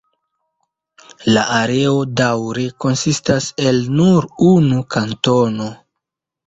La areo daŭre konsistas el nur unu kantono.